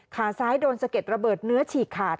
ขาซ้ายโดนสะเก็ดระเบิดเนื้อฉีกขาด